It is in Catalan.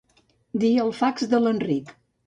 Dir el fax de l'Enric.